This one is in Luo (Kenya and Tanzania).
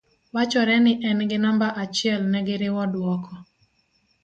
wachore ni en gi namba achiel negiriwo duoko